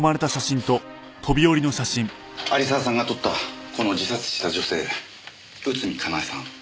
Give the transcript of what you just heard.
有沢さんが撮ったこの自殺した女性内海佳苗さん